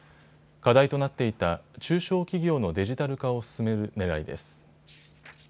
課題となっていた中小企業のデジタル化を進めるねらいです。